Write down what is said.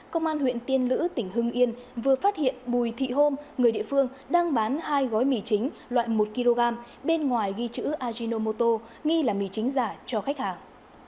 công an huyện tiên lữ tỉnh hưng yên vừa phát hiện bùi thị hôm người địa phương đang bán hai gói mì chính loại một kg bên ngoài ghi chữ ajinomoto nghi là mì chính giả cho khách hàng